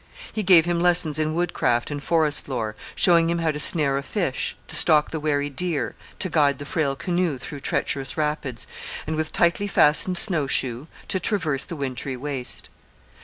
He gave him lessons in woodcraft and forest lore, showing him how to snare the fish, to stalk the wary deer, to guide the frail canoe through treacherous rapids, and, with tightly fastened snow shoe, to traverse the wintry waste.